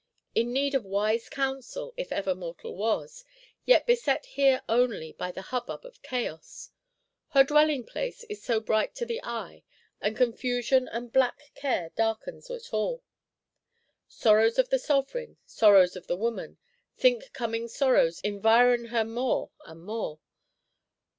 In need of wise counsel, if ever mortal was; yet beset here only by the hubbub of chaos! Her dwelling place is so bright to the eye, and confusion and black care darkens it all. Sorrows of the Sovereign, sorrows of the woman, think coming sorrows environ her more and more.